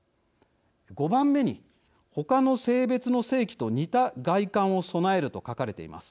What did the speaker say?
５番目に他の性別の性器と似た外観を備えると書かれています。